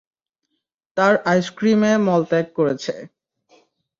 তার আইস্ক্রিমে মল ত্যাগ করেছে।